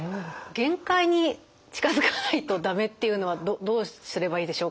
限界に近づかないと駄目というのはどうすればいいでしょうか？